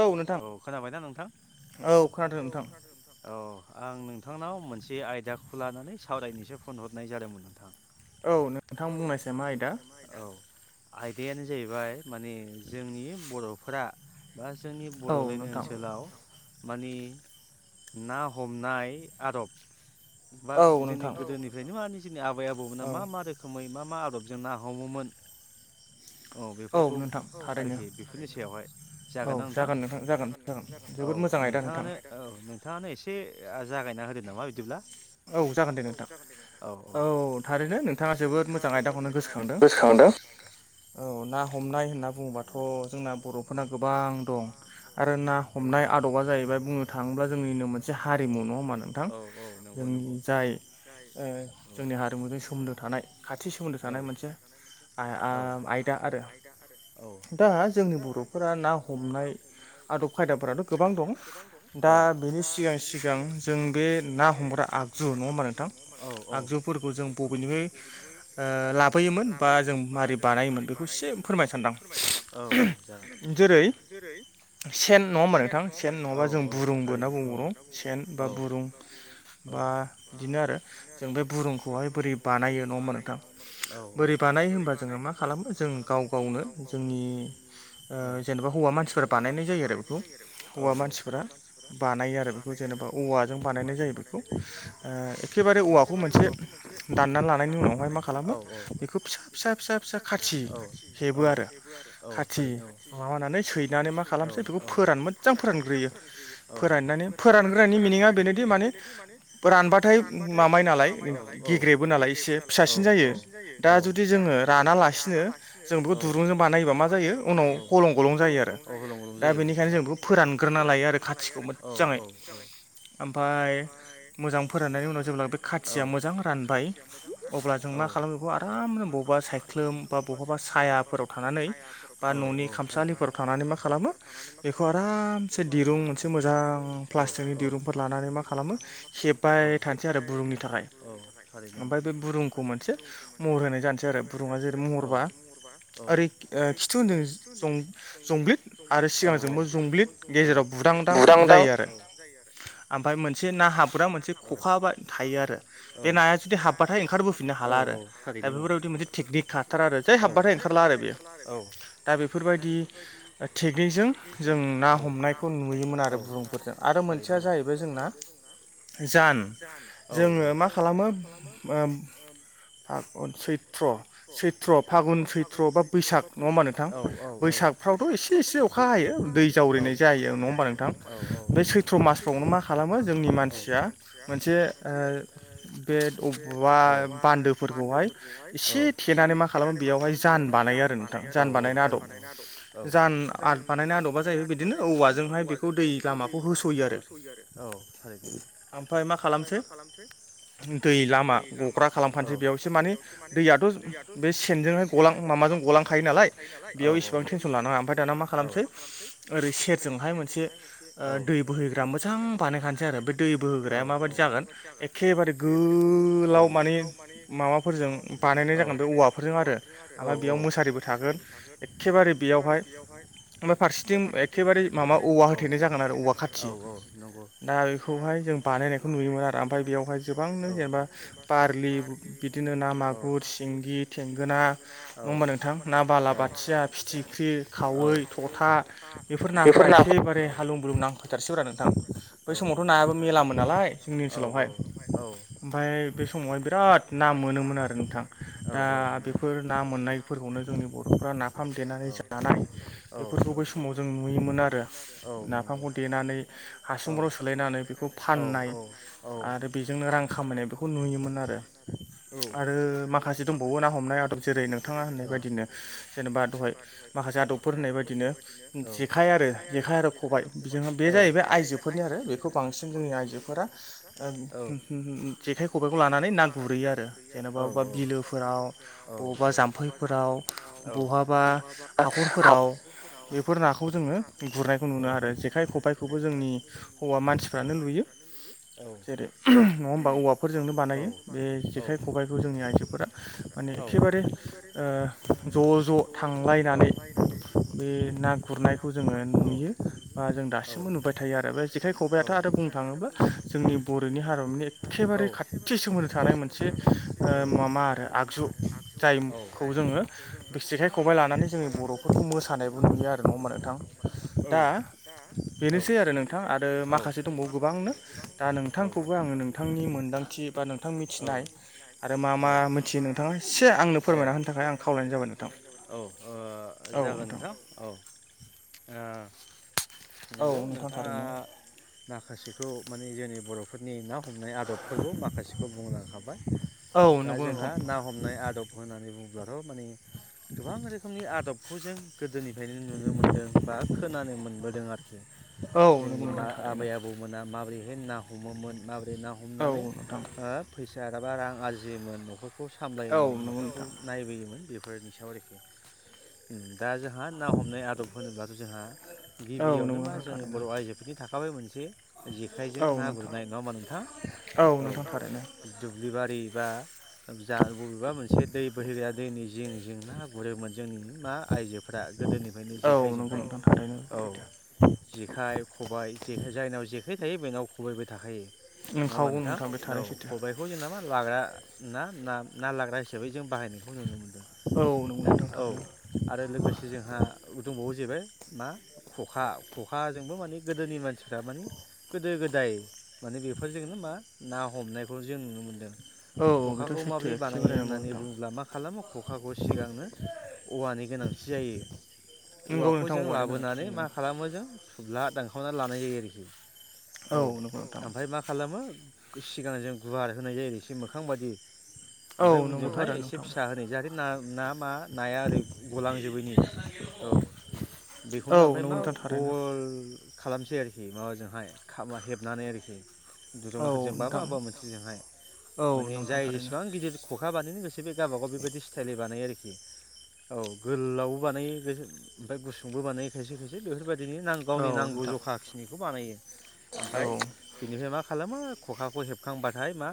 औ नोंथां औ खोनादों नोंथां, आं नोंथांनाव मोनसे आयदाखौ लानानै सावरायनोसो फन हरनाय जादोंमोन नोंथां, औ नों, औ नोंथां बुंनायसै मा आयदा औ आयदायानो जाहैबाय माने जोंनि बर', फोरा बा जोंनि बड'लेण्ड ओनसोलाव, मानि ना हमनाय आदब, बा जोंनि गोदोनिफ्रायनो मानि जोंनि आबै आबौमोना मा मा रोखोमै मा, मा आदबजों ना हमोमोन, औ बेफोरखौ आरोखि बेफोरनि सायावहाय जागोन ना नोंथां, नोंथां जागोन जागोन जोबोद मोजां आयदा नोंथां, नोंथाङानो एसे जागायना होदो नामा बिदिब्ला, औ जागोन दे नोंथां औ औ औ थारैनो नोंथाङा जोबोद मोजां आयदा, ओ, औ ना हमनाय होन होनना बुङोबाथ' जोंना बर'फोरना गोबां दं आरो ना हमनाय आदबा जाहैबाय बुंनो थाङो थाङोब्ला जोंनिनो मोनसे हारिमु नङा होमा नोंथां जोंनि जाय ओ जोंनि हारिमुजों सोमोन्दो थानाय खाथि सोमोन्दो थानाय मोनसेइ आयदा आरो दा जोंनि बर'फोरा ना हमनाय आदब खायदाफोराथ' गोबां दं दा दा बेनि सिगां सिगां जों बे ना हमग्रा आग आगजु नङा होमबा नोंथां आगजुफोरखौ जों बबेनिफ्राय लाबोयोमोन बा जों मारै बानायोमोन बेखौ एसे फोरमाय सानदों आं फोरमाय सानदां औ औ जागोन जेरै सेन नङा हमबा होना नोंथां सेन नङाबा जों बुरुंबो होनना बुंबाव' सेन बा बुरुं बा बिदिनो आरो जों बे बुरुंखौहाय बोरै बानायो नङा होमबा नोंथां बोरै बानाय होनबा जोङो मा खालामो जों गाव गावनो जोंनि ओ जेनेबा हौवा मानसिफोरा बानायनाय जायो आरो बेखौ हौवा मानसिफोरा बानायो आरो बेखौ जेनेबा औवाजों बानायनाय जायो बेखौ बेखौ एखेबारे औवाखौ मोनसे दाननानै लानायनि उनावहाय मा खालामो बेखौ फिसा फिसा फिसा फिसा खाथि औ बेेबो आरो औ थारैनो औ फोरान मोजां फोर फोराननानै फोरानग्रानि मिनिंआ बेनोदि माने रानबाथाय माबायो नालाय गेग्रेबो नालाय एसे फिसासिन जायो दा जुदि जोङो जुदि जोङो राना लाखिनो जों बेखौ दुरुंजों बानायोबा मा जायो उनाव अलं फलं जायो दा बेनिखायनो जों बेखौ फोरान ग्रोना लायो आरो औ औाब ओमफाय मोजां फोराननायनि उनाव जेब्ला बे खाथिया मोजां रानबाय अब्ला जों मा खालाम बेखौ आरामनो बबावबा सायख्लुम बा बहाबा सायाफोराव थानानै बा न'नि खामसालिफोराव थानानै मा खालामो बेखौ आरामसे दिरुं मोनसे मोजां प्लास्टिकनि दिरुंफोर लानानै मा खालामो हेब्बाय थानोसै आरो बुरुंनि थाखाय ओमफ्राय बे बुरुंखौ मोनसे महर होनाय जानोसै आरो आरो बुरुङा जेरै महरबा ओरै खिथु होनदों जं जंब्लिद आरो सिगांजोंबो जंब्लिद गेजेराव बुदांदां जायो आरो आमफ्राय मोनसे ना हाब फुरा मोनसे खखााबा थायो आरो बे नाया जुदि हाब्बाथाय ओंखारबोफिननो हाला आरो दा बेफोरबायदि मोनसे टेकनिक खाथार आरो जाय हाबबाथाय ओंखारला आरो बेयो दा बेफोरबायदि टेकनिकजों जों ना हमनायखौ नुयोमोन आरो गुबुरुंफोरजों आरो मसारि मोनसेया जाहैबाय जोंना जान जोङो मा खालामो फागुन सैत्र सैत्र फागुन सैथ्र' बा बैसाग नङा होमबा नोंथां बैसागफ्रावथ' एसे एसे अखा हायो दै जावरायनो जाहैयो नं हमबा नोंथां बै सैथ्र मासफोरावनो मा खालामो मोनसे बबा बान्दोफोरखौहाय औ देनानै मा खालामो बेयावहाय जान बानायो आरो जान बानायनाय आदब जान बानायनाय आदब मबा जायो बिदिनो औवाजोंहाय बेखौ दै गामाखौ होस'यो आरो औ। ओमफ्राय मा खालामसै दै लामा गग्रा खालामफानोसै बेयावससे माने दैयाथ' बे सेनजोंहाय गलां माबाजों गलांखायो नालाय बेयाव इसेबां टेनसन लानाङा ओमफ्राय दाना मा खालामसै ओरै सेरजोंहाय मोनसे दै बोहैग्रा मोजां बानायखानोसै आरो बे दै बोहोग्राया माबायदि जागोन एखेबारे गोलाव माने माबाफोरजों बानायनाय जागोन बे औवा बे औवाफोरजों आरो औ औ ओमफ्राय बेयाव मुसारिबो थागोन एखेबारे बेयावहाय ओमफ्राय फारसेथिं एखेबारे माबा औवा होथेनाय जागोन आरो औवा खाथि दा बे बे खौहाय जों बानायनायखौ नुयोमोन आरो ओमफ्राय बेयावहाय गोबांनो जेनेबा बारलि बिदिनो ना मागुर, सिंगि थेंगोना नङा होमबा नोंथां, ना बालाबाथिया फिथिख्रि खावै थ'था बेफोर नाफोरा एखेबारे हालुं बुलुं नां फैथारसैब्रा नोंथां, बै समावथ' नायाबो मेरलामोन नालाय जोंनि ओनसोलावहाय, ओमफ्राय बे समावहाय बिराद ना मोनोम मोन आरो नोंथां। औ औ बेफोर ना मोननायफोरखौ ज औ ज औ औ। बै समाव जों नुयोमोन आरो नाफामखौ देनानै हासुंफोराव सो सोलायनानै बेखौ फाननाय आरो बेजोंनो रां खामायनाय बेखौ नुयोमोन आरो। आरो माखासे दं बावो, ना हमनाय आदब जेरै नोंथाङा होननाय बायदिनो जेनेबा दहाय माखासे आदबफोर होननाय बदिनो जेखाइ आरो जेखाइ आरो खबाय बेजोंहा बे जाहैबाय आइजोफोरनि आरो बे बेखौ बांसिन जोंनि आइजोफोरा ओ सुम हुम जेखाय खबाइखौ लानानै ना गुरहैयो आरो। जेनेबा अबा बिलोफो फोराव बबबा जाम्फैफोराव बहाबा हाखरफोराव बेफोर नाखौ जोङो गुरनायखौ नुनो आरो जेखाइ खबाइखौबो जोंनि हौवा मानसिफ्रानो लुयो, जेरै नङा हबा औवाफोरजोंनो बानायो बे जेखाइ खबाइ खौ जोंनि आइजोफोरा माने एखेबारे ओ ज' ज' थांलायनानै बे ना गुरनायखौ जोङो नुयो बा जों दासिमबो नुबाय थायो आरो बे जेखाइ खबाइयाथ' आरो बुंनो थाङोब्ला जोंनि बर'नि हारिमुनि एखेबारे खाथि सोमोन्दो थानाय मोनसे ओ मामा आरो आगजु, जायखौ जोङो बिसे खाय खबाइ लानानै जोंनि बर'फोरखौ मोसानायबो नुयो। आरो नङा होनबा नोंथां? दा बेनोसै आरो नोंथां। आरो माखासे दंबावो गोबांनो दा नोंथांखौबो आङो नोंथांनि मोनदांथि बा नोंथां मिथिनाय आरो मा मा मोनसे मा मिथियो नोंथाङा औ आंनो फोरमायना होनो थाखाय आं खावलायनाय जाबोन औ जागोन नोंथां औ। ओ नंगौ नोंथाङा ना माखासेखौ माने जोंनि बर'फोरनि ना हमनाय आदबफोरखौ माखासेखौ बुंलांखाबाय। दा जोंहा ना हमनाय आदब होनानै बुङोब्लाथ' माने गोबां रोखोमनि आदबखौ जों गोदोनि फायनो नुनो मोन्दों बा खोनानो मोनबोदों आरोखि। जोंनि मा आबै आबौमोना माबोरै बेहाय ना हमोमोन माबोरै ना हमनानै ओ फैसा एबा रां आरजियोमोन न'खरखौ नखौ सामलायोमोन न'खरखौ नायबोयोमोन बेफोरनि सायाव आरोखि। दा जोंहा ना हमनाय आदब होनोबाथ' जोंहा गिबियावनो मा जोंनि बर' आइजोफोरनि थाखाय थाबाय मोनसे जेखाइजों ना गुरनाय नङा होमा नोंथां? औ दुब्लिबारि बा जा बबेबा मोनसे दै बोहैग्रा दैनि जिं जिं ना गुरोमोन। जोंनि मा आइजोफोरा गोदोनिफ्रायनो जेखायजोंहाय औ। जेखाइ, खबाइ जेखाय जायनाव जेखाइ थायो बेनाव खबायबो थाखायो नङा होमबा नोंथां? औ खबायखौ जों नामा लाग्रा ना ना ना लाग्रा हिसाबै जों बाहायनायखौ नुनो मोनदों। दा औ आरो लोगोसे जोंहा दंबावो जाहैबाय मा खखा खखाजोंबो माने गोदोनि मानसिफ्रा माने गोदो गोद दाय माने बेफोरजोंनो मा ना हमनायखौ जों नुनो मोनदों। खखाखौ माबोरै बानायो होननानै बुङोब्ला मा खालामो खखाखौ सिगांनो औवानि गोनांथि जायो। औवाखौ जों लाबोनानै मा खालामो जों थुब्ला दानखावनानै लानाय जायो आरो। औ औ ओमफ्राय मा खालामो सिगां जों गुवार होनाय जायो एसे मोखां बादि ओमफ्राय उनजोंहाय एसे फिसा होनाय जाहाथे ना ना मा नाया ओरै गलांजोबैनि औ बेखौनो ओमफ्राय मा गल खालामसै आरोखि माबाजोंहाय खामा हेबनानै आरोखि दुरुंफोरजों बा माबा मोनसेजोंहाय माने जाय जेसेबां गिदिर खखा बानायो गोसो बे गावबागाव बेबायदि स्टाइलै बानायो आरोखि। औ गोलावबो बानायो खायसे ओमफ्राय गुसुंबो बानायो खायसे खायसे बेफोरबायदि दिनो नां गावनि नांगौ जखा खिनिखौ बानायो ओमफ्राय बिनिफ्राय मा खालामो खखाखौ हेबखांबाथाय मा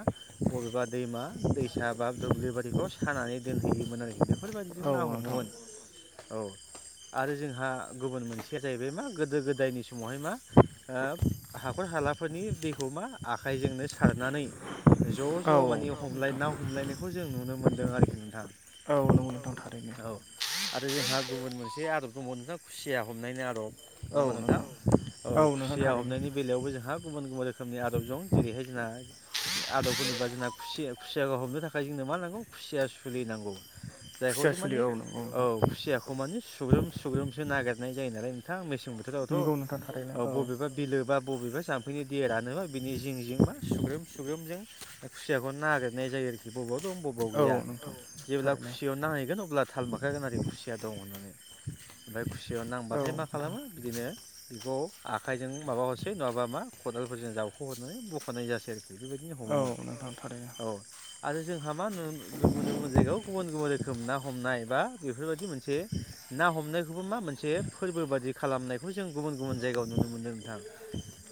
बबेबा दैमा दैसा बा दुब्लि बारिखौ सानानै दोनहैयोमोन आरोखि बेफोरबायदिजों ना हमोमोन। औ। आरो जोंहा गुबुन मोनसेया जाहैबाय मा गोदो गोदायनि समावहाय मा ओह हा खर हालाफोरनि दैखौ मा आखाइजोंनो सारनानै ज' ज' मानि हमलाय ना हमलायनायखौ जों नुनो मोनदों आरोखि नोंथां। औ नंगौ नोंथां थारैनो। जोंहा गुबुन मोनसे आदब दंबावो नोंथां खुसिया हमनायनि आदब। नङा होमबा नोंथां औ खुसिया हमनायनि बेलायावबो जोंहा गुबुन गुबुन रोखोमनि आदब दं जेरैहाय जोंहा आ [inaudible] जोंना खुसि खुसिया हमनो थाखाय जोंनो मा नांगौ खुसिया सुलि नांगौ। जायखौजो माने औ खुसियाखौ माने सुग्रोम सुग्रोमसो नागिरनाय जायो नालाय नोंथाङा मेसे बोथोरावथ' बबेबा बिलो बा बबेबा जा देरानो बिनि जिं जिं मा सुग्रोम सुग्रोमजों खुसियाखौ नागिरनाय जायो आरोखि बब दं बबाव गैया जेब्ला खुसियायाव नांहैगोन अब्ला थाल मोनखागोन आरो खुसिया दं होननानै। ओमफ्राय खुसियायाव नांबाथाय मा खालामो बिदिनो बेखौ आखायजों माबा हरसै नङाबा मा खदालफोरजों जावख' हरनानै बख'नाय जासै आरोखि बेबायदि औ नोंथां थारैनो। आरो जोंहा मा नु गुबुन गुबुन जायगायाव गुबुन गुबुन खोम ना हमनाय बा बेफोरबायदि मोनसे ना हमनायखौबो मा मोनसे फोरबो बादि खालामनाय खौ जों गुबुन गुबुन जायगायाव नुनो मोनदों नोंथां।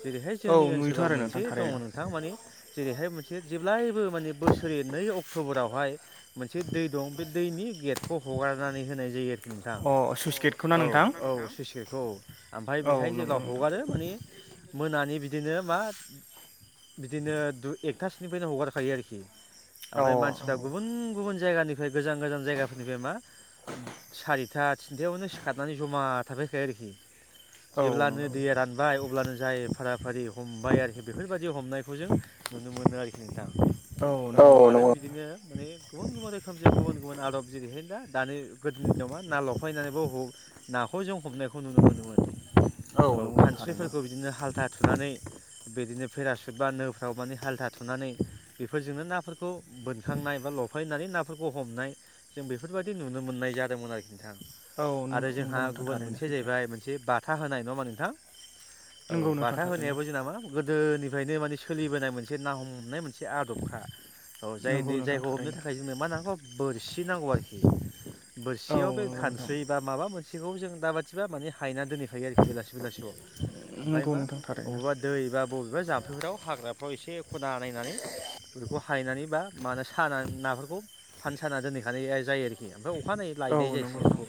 जेरैहाय जोंनि ओनसोलाव मोनसे दङ नोंथां माने जेरैहाय मोनसे जेब्लायबो माने बोसोरै नै अक्ट'बरावहाय मोनसे दै दं बे दैनि गेटखौ हगारनानै होनाय जायो आरोखि नोंथां। औ औ सुइस गेटखौ औ ओमफ्राय बेहाय जेब्ला हगारो मानि मोनानि बि बिदिनो मा बिदिनो दु एकथासोनिफ्रायनो हगारखायो आरोखि। ओमफ्राय मानसिफ्रा गुबुन गुबुन जायगानिफ्राय गोजान गोजान जायगाफोरनिफ्राय मा सारिथा थिनथायावनो सिखारनानै जमा था आरोखि जेब्लानिफ्राय दैया रानबाय अब्लानो जाय फारा फारि हमबाय आरोखि बेफोरबायदि हमनायखौ जों नुनो मोनो आरोखि नोंथां। औ नंगौ बिदिनो माने गुबुन गुबुन रोखोमजों गुबुन गुबुन आदब जेरैहाय दा दानि गोदोनि दिनाव मा ना लफायनानैबो ह ना खौ जों हमनायखौ नुनो मोनोमोन। औ खानस्रिफोरखौ बिदिनो हाल्था थुनानै बिदिनो पेरासुट बा नो आव माने हालथा थुनानै बेफोरजोंनो नाफोरखौ बोनखांनाय बा लफायनानै नाफोरखौ हमनाय जों बेफोरबायदि नुनो मोननाय जादोंमोन आरोखि नोंथां। औ नु नु हा गुबुन मोनसेया जाहैबाय मोनसे बाथा होनाय नङा होनबा नोंथां? औ बाथा होनायाबो जोंना मा गोदोनिफ्रायनो माने सोलिबोनाय मोनसे ना हमनाय मोनसे आदबखा। औ जायनो जायखौ हमनो थाखाय जोंनो मा नांगौ बोरसि नांगौ आरोखि। बोरसियाव बे खानस्रै बा माबा मोनसेखौ जों दा बाथिबा माने हायना दोनहखायो आरोखि बेलासि बेलासियाव ओमफाय मा अबबा दै बा बबेबा जाम्फैफोराव हाग्राफ्राव एसे खना नायनानै बेफोरखौ हायनानै बा माना साना नाफोरखौ थान साना दोनहैखानायहाय जायो आरोखि ओमफ्राय अ खानायै लायनाय जायसि बेखौ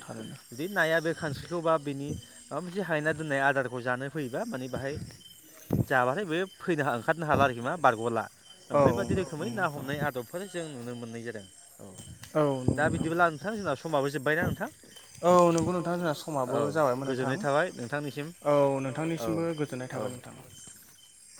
बिुदि नाया बे खानस्रिखौ बा बिनि माबा मोनसे हायना दोननाय आदारखौ जानो फैयोबा माने बाहाय जाबथाय बे फैनो हा हातनो हाला आरोखि मा बारग'ला बेबायदि रोखोमै ना हमनाय आदबफोर जों नुनो मोननै जादों औ नंगौ नोंथां थां जोंना समाबो जोब्बायना नोंथां औ गोजोननाय थाबाय नोंथांनिसिम औ औ [inaudible]